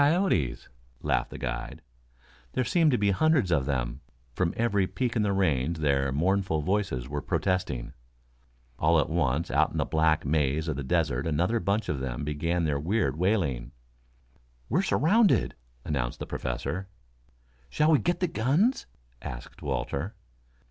"Coyotes," laughed the guide. There seemed to be hundreds of them. From every peak in the range their mournful voices were protesting. All at once out in the black maze of the desert another bunch of them began their weird wailing. "We're surrounded," announced the Professor. "Shall we get the guns?" asked Walter.